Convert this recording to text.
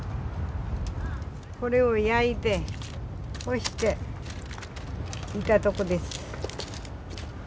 これを焼いて干していたとこです。